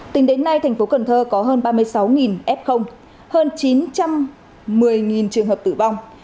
tính đến nay thành phố cần thơ có hơn ba mươi sáu f hơn chín trăm một mươi trường hợp tử vong